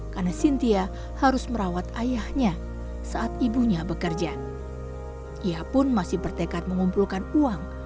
karena cynthia harus merawat ayahnya saat ibunya bekerja ia pun masih bertekad mengumpulkan uang